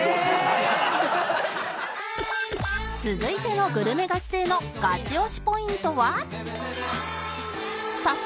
続いてのグルメガチ勢のガチ推しポイントは？